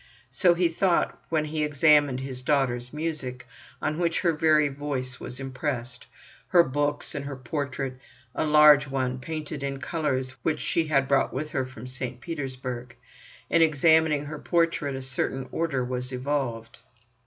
So he thought when he examined his daughter's music, on which her very voice was impressed; her books, and her portrait, a large one painted in colours which she had brought with her from St. Petersburg. In examining her portrait a certain order was evolved.